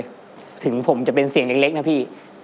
แล้ววันนี้ผมมีสิ่งหนึ่งนะครับเป็นตัวแทนกำลังใจจากผมเล็กน้อยครับ